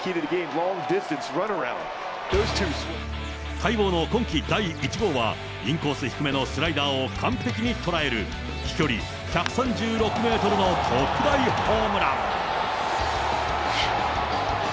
待望の今季第１号は、インコース低めのスライダーを完璧に捉える、飛距離１３６メートルの特大ホームラン。